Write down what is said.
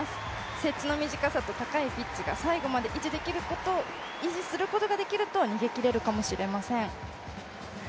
接地の短さと高いピッチを最後まで維持することができると逃げ切れるかもしれません。